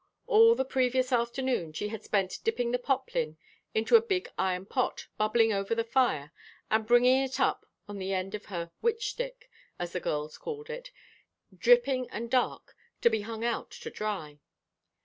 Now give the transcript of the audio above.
All the previous afternoon she had spent dipping the poplin into a big iron pot bubbling over the fire and bringing it up on the end of her "witch stick," as the girls called it, dripping and dark, to be hung out to dry.